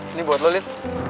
ini buat lo lil